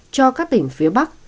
cho các tỉnh phía bắc